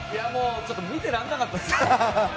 ちょっと見てられなかったです。